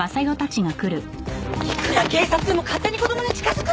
いくら警察でも勝手に子供に近づくなんて！